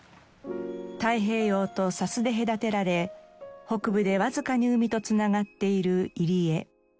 太平洋と砂州で隔てられ北部でわずかに海と繋がっている入り江。